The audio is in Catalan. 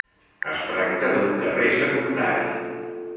Es tracta d'un carrer secundari.